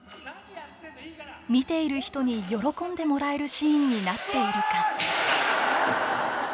見ている人に喜んでもらえるシーンになっているか。